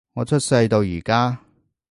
我出世到而家